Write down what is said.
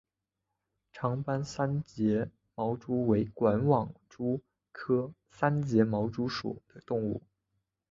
长斑三栉毛蛛为管网蛛科三栉毛蛛属的动物。